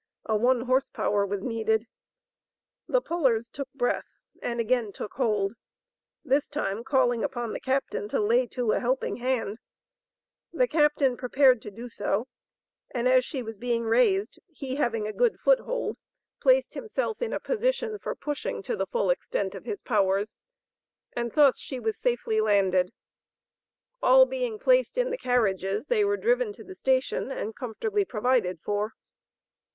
A one horse power was needed. The pullers took breath, and again took hold, this time calling upon the captain to lay to a helping hand; the captain prepared to do so, and as she was being raised, he having a good foot hold, placed himself in a position for pushing to the full extent of his powers, and thus she was safely landed. All being placed in the carriages, they were driven to the station and comfortably provided for.